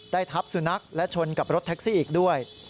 ทับสุนัขและชนกับรถแท็กซี่อีกด้วย